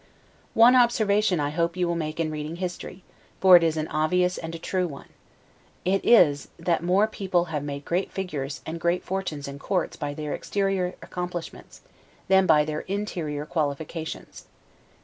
One observation I hope you will make in reading history; for it is an obvious and a true one. It is, that more people have made great figures and great fortunes in courts by their exterior accomplishments, than by their interior qualifications.